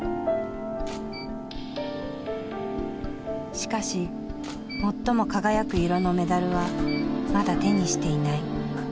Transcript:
しかし最も輝く色のメダルはまだ手にしていない。